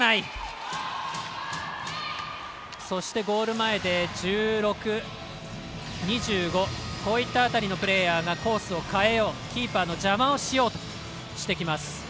ゴール前で１６、２５こういった辺りのプレーヤーがコースを変えようキーパーの邪魔をしようとしてきます。